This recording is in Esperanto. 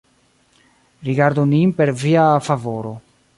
Rigardu nin per Via favoro.